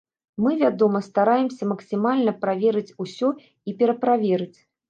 Мы, вядома, стараемся максімальна праверыць усё і пераправерыць.